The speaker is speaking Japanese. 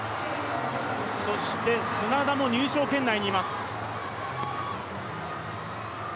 そして砂田も入賞圏内にいます。